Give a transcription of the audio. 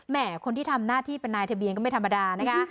คนที่ทำหน้าที่เป็นนายทะเบียนก็ไม่ธรรมดานะคะ